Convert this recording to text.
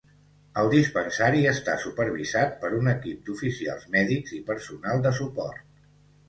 El dispensari està supervisat per un equip d'Oficials Mèdics i personal de suport.